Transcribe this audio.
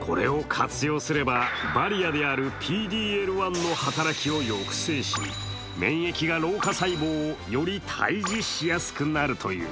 これを活用すればバリアであるＰＤ−Ｌ１の働きを抑制し、免疫が老化細胞をより退治しやすくなるという。